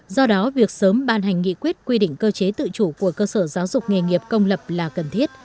do đó việc sớm ban hành nghị quyết quy định cơ chế tự chủ của cơ sở giáo dục nghề nghiệp công lập là cần thiết